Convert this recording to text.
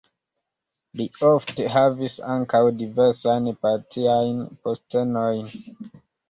Li ofte havis ankaŭ diversajn partiajn postenojn.